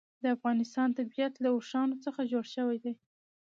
د افغانستان طبیعت له اوښانو څخه جوړ شوی دی.